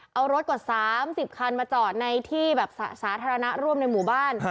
เอารถกว่า๓๐คันมาจอดในที่แบบสาธารณะร่วมในหมู่บ้าน